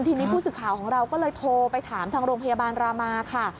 ทีนี้ผู้สื่อข่าวของเราก็เลยโทรไปถามทางโรงพยาบาลรามาค่ะ